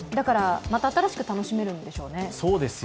また新しく楽しめるんでしょうね。